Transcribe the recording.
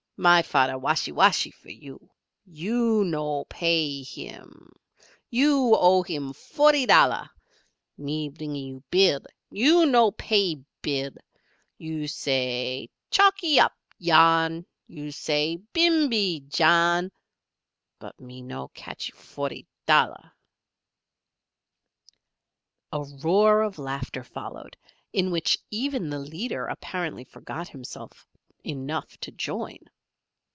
My fader washee washee for you. You no payee him. You owee him folty dolla! Me blingee you billee. You no payee billee! You say, 'Chalkee up, John.' You say, 'Bimeby, John.' But me no catchee folty dolla!" A roar of laughter followed, in which even the leader apparently forgot himself enough to join.